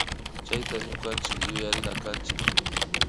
Chayta ñukanchik yuyarinakanchik